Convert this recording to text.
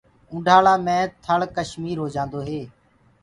اونڍآݪآ مي ٿݪ ڪشمير هو جآندوئي